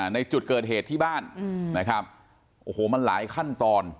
ในจุดเกิดเหตุที่บ้านนะครับโอ้โหมันหลายขั้นตอน